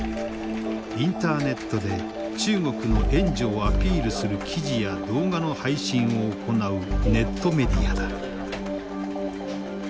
インターネットで中国の援助をアピールする記事や動画の配信を行うネットメディアだ。